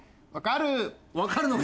わかるのか？